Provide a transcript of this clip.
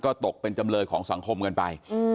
ก็ตกเป็นจำเลยของสังคมกันไป